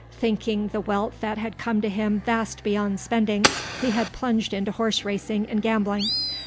Thinking the wealth that had come to him vast beyond spending, he had plunged into horse racing and gambling.